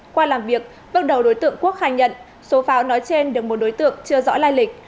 qua làm việc bước đầu đối tượng quốc khai nhận số pháo nói trên được một đối tượng chưa rõ lai lịch